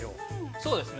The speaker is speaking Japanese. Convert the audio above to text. ◆そうですね。